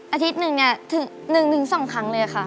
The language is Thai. อาทิตย์หนึ่งเนี่ยถึง๑๒ครั้งเลยค่ะ